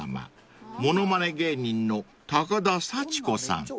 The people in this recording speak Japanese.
［ものまね芸人の高田紗千子さん］